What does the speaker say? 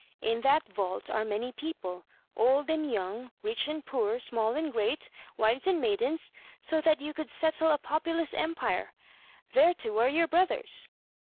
In that vault are many people, old and young, rich and poor, small and great, wives and maidens, so that you could settle a populous empire; there, too, are your brothers."